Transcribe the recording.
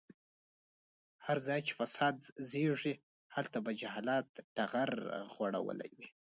هر ځای چې فساد زيږي هلته به جهالت ټغر غوړولی وي.